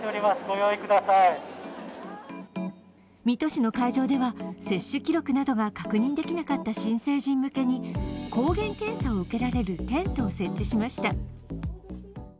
水戸市の会場では、接種記録などが確認できなかった新成人向けに抗原検査を受けられるテントを設置しました。